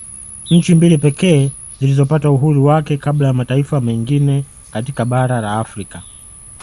Nchi mbili pekee zilizopata uhuru wake kabla ya mataifa mengina katika bara la Afrika